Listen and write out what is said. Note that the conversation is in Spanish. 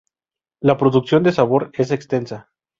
La producción de Sabor es extensa.